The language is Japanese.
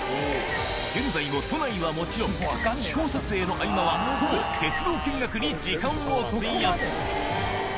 現在も都内はもちろん、地方撮影の合間は、ほぼ鉄道見学に時間を費やす。